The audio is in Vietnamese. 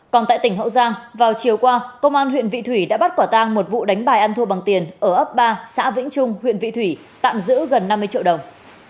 còn tại tỉnh hậu giang vào chiều qua công an huyện vị thủy đã bắt quả tang một vụ đánh bài ăn thua bằng tiền ở ấp ba xã vĩnh trung huyện vị thủy tạm giữ gần năm mươi triệu đồng